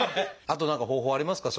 あと何か方法はありますか？